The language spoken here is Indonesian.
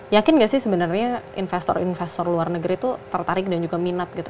yakin gak sih sebenarnya investor investor luar negeri itu tertarik dan juga minat gitu